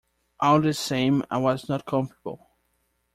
All the same I was not comfortable.